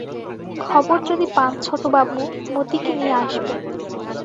খবর যদি পান ছোটবাবু, মতিকে নিয়ে আসবেন।